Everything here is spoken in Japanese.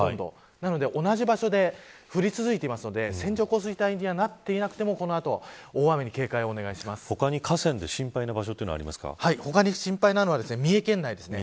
なので同じ場所で降り続いているので線状降水帯にはなっていなくてもこの後、大雨に他に河川で他に心配なのは三重県内ですね。